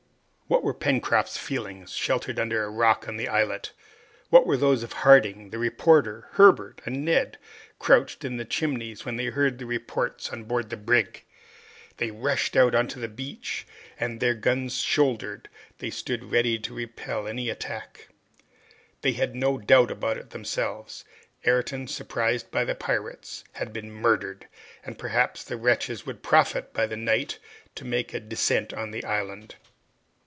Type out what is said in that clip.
What were Pencroft's feelings, sheltered under a rock on the islet! What were those of Harding, the reporter, Herbert, and Neb, crouched in the Chimneys, when they heard the reports on board the brig! They rushed out on to the beach, and, their guns shouldered, they stood ready to repel any attack. They had no doubt about it themselves! Ayrton, surprised by the pirates, had been murdered, and, perhaps, the wretches would profit by the night to make a descent on the island!